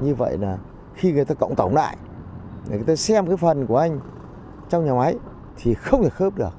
như vậy là khi người ta cộng tổng lại người ta xem cái phần của anh trong nhà máy thì không thể khớp được